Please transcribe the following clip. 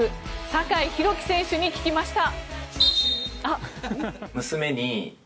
酒井宏樹選手に聞きました。